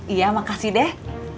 iya makasih deh